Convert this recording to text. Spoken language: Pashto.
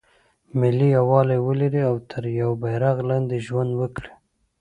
ملي یووالی ولري او تر یوه بیرغ لاندې ژوند وکړي.